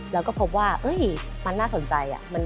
แล้วก็พบว่าเอ้ยมันน่าสนใจอะ